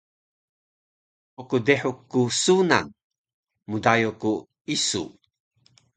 Pkdehu ku sunan, mdayo ku isu